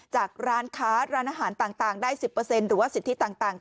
ร้านค้าร้านอาหารต่างได้๑๐หรือว่าสิทธิต่าง